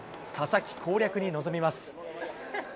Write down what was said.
佐々木攻略に臨みます。